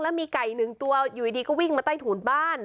แล้วมีไก่หนึ่งตัวอยู่ดีก็วิ่งมาใต้ถูนบ้าน